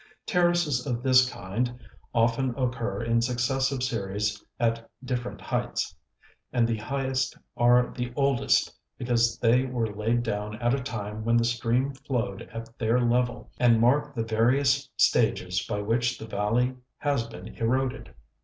Terraces of this kind often occur in successive series at different heights, and the highest are the oldest because they were laid down at a time when the stream flowed at their level and mark the various stages by which the valley has been eroded.